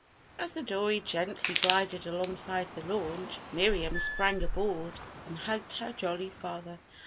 As the dory gently glided alongside the launch, Miriam sprang aboard and hugged her jolly father.